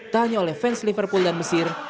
tak hanya oleh fans liverpool dan mesir